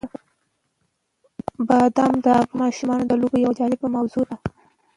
بادام د افغان ماشومانو د لوبو یوه جالبه موضوع ده.